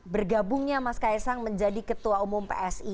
bergabungnya mas kaisang menjadi ketua umum psi